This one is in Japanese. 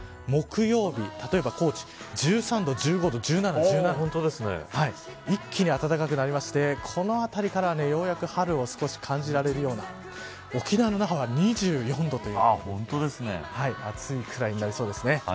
木曜日、例えば高知１３度、１５度、１７度、１７度一気に暖かくなってこのあたりから、ようやく春を少し感じられるような沖縄の那覇は２４度という暑いくらいになりそうです。